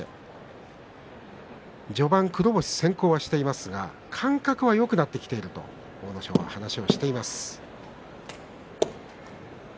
両膝のけが、休場明け序盤、黒星先行していますが感覚はよくなってきていると阿武咲は話をしています。